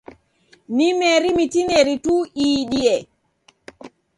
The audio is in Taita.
Ni meri mitineri tu iidie.